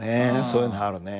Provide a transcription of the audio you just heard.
そういうのあるね。